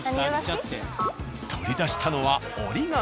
取り出したのは折り紙。